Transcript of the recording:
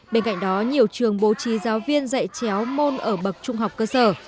bên cạnh đó nhiều trường bố trí giáo viên dạy chéo môn ở bậc trung học cơ sở